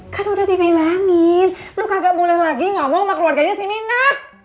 kan udah dibilangin lu kagak boleh lagi ngomong sama keluarganya si mina